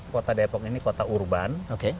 kota depok ini kota urban